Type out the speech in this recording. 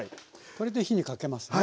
これで火にかけますね。